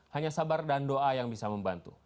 hanya sabar dan doa yang bisa membantu